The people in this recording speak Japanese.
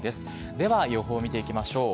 では予報を見ていきましょう。